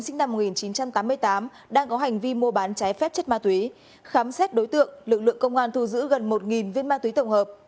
sinh năm một nghìn chín trăm tám mươi tám đang có hành vi mua bán trái phép chất ma túy khám xét đối tượng lực lượng công an thu giữ gần một viên ma túy tổng hợp